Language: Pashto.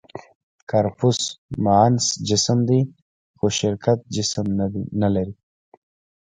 «کارپوس» معنس جسم دی؛ خو شرکت جسم نهلري.